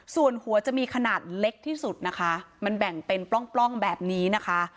ส่วนหัวจะมีขนาดเล็กที่สุดนะคะมันแบ่งเป็นปล้องแบบนี้นะคะ